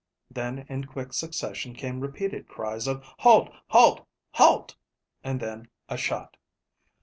Then in quick succession came repeated cries of "Halt! Halt! Halt!" and then a shot.